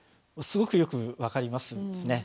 すごくよく分かりますね。